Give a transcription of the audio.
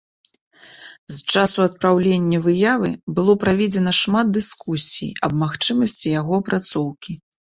З часу адпраўлення выявы было праведзена шмат дыскусій аб магчымасці яго апрацоўкі.